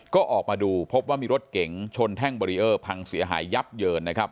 ก็ออกมาดูพบว่ามีรถเก๋งชนแท่งเบรีเออร์พังเสียหายยับเยินนะครับ